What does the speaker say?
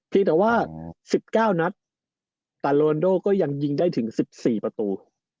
แต่ว่า๑๙นัดแต่โรนโดก็ยังยิงได้ถึง๑๔ประตู